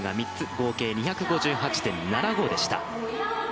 合計２５８．７５でした。